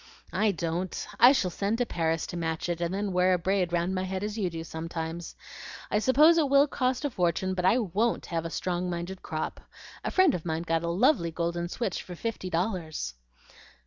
"I don't! I shall send to Paris to match it, and then wear a braid round my head as you do sometimes. I suppose it will cost a fortune, but I WON'T have a strong minded crop. A friend of mine got a lovely golden switch for fifty dollars."